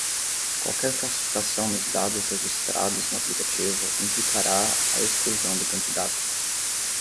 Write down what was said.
Qualquer falsificação nos dados registrados no aplicativo implicará a exclusão do candidato.